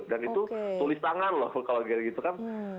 dan itu tulis tangan loh kalau gini gitu kan